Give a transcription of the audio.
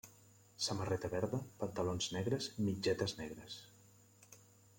Samarreta verda, pantalons negres, mitgetes negres.